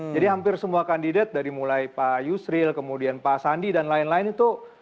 jadi hampir semua kandidat dari mulai pak yusril kemudian pak sandi dan lain lain itu